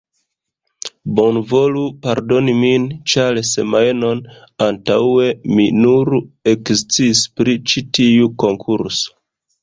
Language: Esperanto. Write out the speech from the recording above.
Bonvolu pardoni min ĉar semajnon antaŭe, mi nur eksciis pri ĉi tiu konkurso